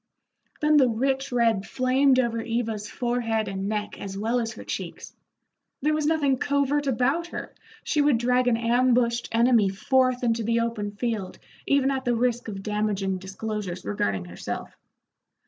Then the rich red flamed over Eva's forehead and neck as well as her cheeks. There was nothing covert about her, she would drag an ambushed enemy forth into the open field even at the risk of damaging disclosures regarding herself.